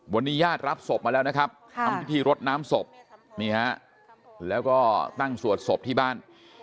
วันนี้ญาติรับศพมาแล้วนะครับทำพิธีรดน้ำศพนี่ฮะแล้วก็ตั้งสวดศพที่บ้าน